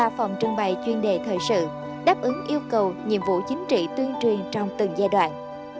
ba phòng trưng bày chuyên đề thời sự đáp ứng yêu cầu nhiệm vụ chính trị tuyên truyền trong từng giai đoạn